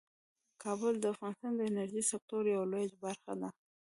کابل د افغانستان د انرژۍ د سکتور یوه لویه برخه ده.